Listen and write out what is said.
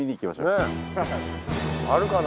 あるかな？